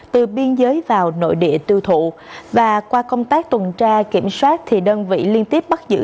từ biên giới vào nội địa tiêu thụ và qua công tác tuần tra kiểm soát thì đơn vị liên tiếp bắt giữ